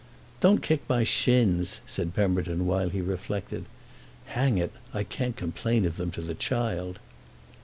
"Don't kick my shins," said Pemberton while he reflected "Hang it, I can't complain of them to the child!"